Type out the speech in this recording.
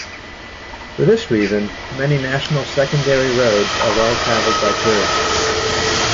For this reason, many national secondary roads are well-traveled by tourists.